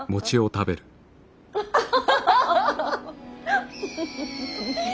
ハハハハハ。